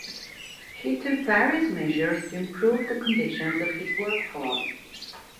He took various measures to improve the conditions of his work force.